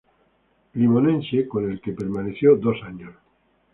Limonense, con el que permaneció dos años.